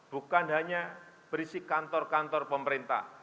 bukan hanya berisi kantor kantor pemerintah